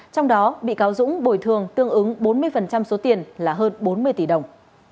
trong đó bị cáo dũng bồi thường tương ứng bốn mươi số tiền là hơn bốn mươi tỷ đồng